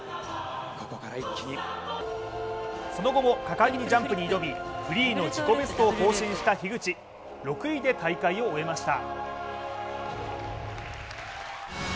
その後も果敢にジャンプに挑み、フリーの自己ベストを更新した樋口、６位で大会を終えました。